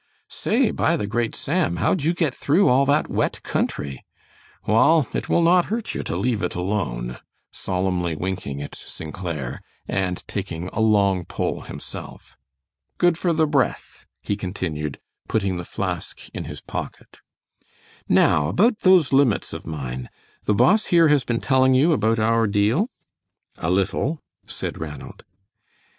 Say, by the great Sam, how'd you get through all that wet country? Wall, it will not hurt you to leave it alone," solemnly winking at St. Clair, and taking a long pull himself. "Good for the breath," he continued, putting the flask in his pocket. "Now, about those limits of mine, the boss here has been telling you about our deal?" "A little," said Ranald.